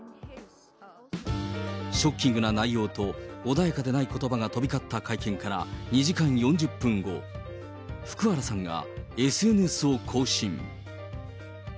ショッキングな内容と、穏やかでないことばが飛び交った会見から２時間４０分後、福原さんがＳＮＳを更新。